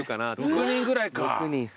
６人ぐらいか。